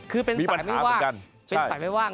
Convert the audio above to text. คือเป็นสายไม่ว่าง